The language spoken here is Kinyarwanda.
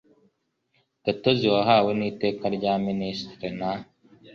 gatozi wahawe n Iteka rya Minisitiri n